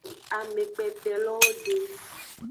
Amekpetelowo de.